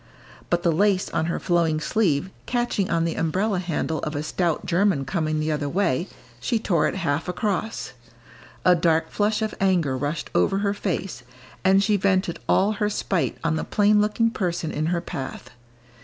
But the lace on her flowing sleeve catching on the umbrella handle of a stout German coming the other way, she tore it half across. A dark flush of anger rushed over her face, and she vented all her spite on the plain looking person in her path.